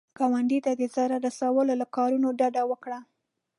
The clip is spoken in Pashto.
ګاونډي ته د ضرر رسولو له کارونو ډډه وکړه